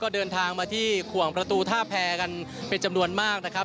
เดินทางมาที่ขวงประตูท่าแพรกันเป็นจำนวนมากนะครับ